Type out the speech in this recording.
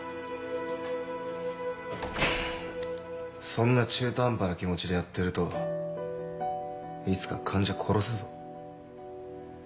そんな中途半端な気持ちでやってるといつか患者殺すぞ。